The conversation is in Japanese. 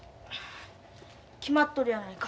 決まっとるやないか。